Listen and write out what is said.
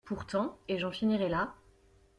Pourtant, et j’en finirai là